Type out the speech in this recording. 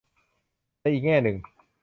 ในอีกแง่หนึ่ง